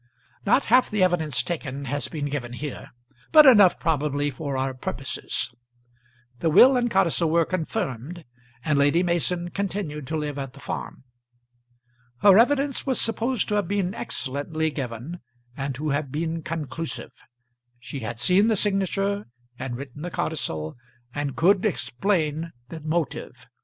Not half the evidence taken has been given here, but enough probably for our purposes. The will and codicil were confirmed, and Lady Mason continued to live at the farm. Her evidence was supposed to have been excellently given, and to have been conclusive. She had seen the signature, and written the codicil, and could explain the motive.